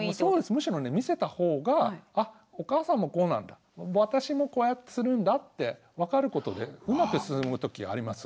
むしろ見せた方があっお母さんもこうなんだ私もこうやってするんだって分かることでうまく進む時あります。